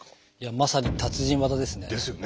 まさに達人技ですね。ですよね。